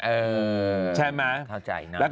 เออเข้าใจนะใช่ไหม